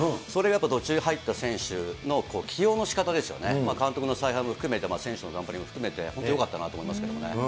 それが途中入った選手の起用のしかたですよね、監督の采配も含めて、選手の頑張りも含めて、本当によかったなと思いますね。